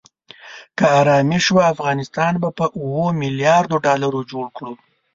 که آرامي شوه افغانستان به په اوو ملیاردو ډالرو جوړ کړو.